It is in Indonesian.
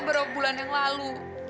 berapa bulan yang lalu